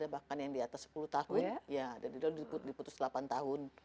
bahkan yang di atas sepuluh tahun